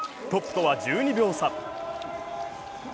トップとは１２秒差。